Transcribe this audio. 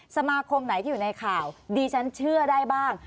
สมาคมไหนที่อยู่ในข่าวดีฉันเชื่อได้บ้าง